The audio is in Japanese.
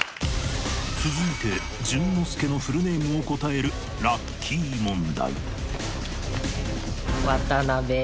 続いて淳之介のフルネームを答えるラッキー問題